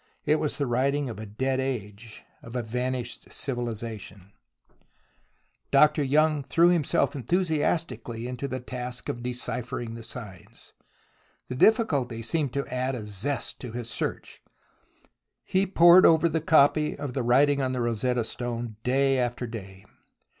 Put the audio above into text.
It was the writing of a dead age, of a vanished civiUzation. Dr. Young threw himself enthusiastically into 8 THE ROMANCE OF EXCAVATION the task of deciphering the signs. The difficulty seemed to add a zest to his search. He pored over the copy of the writing on the Rosetta Stone day after day.